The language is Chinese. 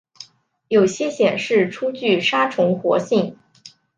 有些显示出具杀虫活性。